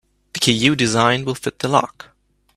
The key you designed will fit the lock.